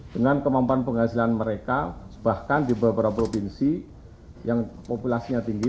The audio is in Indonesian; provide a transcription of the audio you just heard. dengan kemampuan penghasilan mereka bahkan di beberapa provinsi yang populasinya tinggi